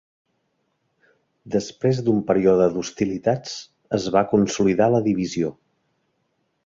Després d'un període d'hostilitats, es va consolidar la divisió.